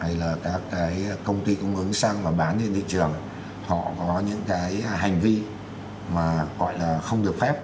hay là các cái công ty công ứng xăng mà bán lên thị trường họ có những cái hành vi mà gọi là không được phép